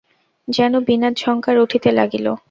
যেন বীণার ঝঙ্কার উঠিতে লাগিল।